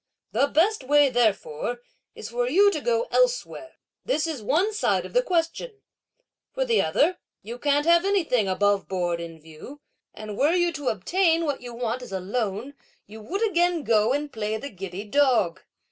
The best way therefore is for you to go elsewhere. This is one side of the question; for on the other, you can't have anything above board in view; and were you to obtain what you want as a loan you would again go and play the giddy dog!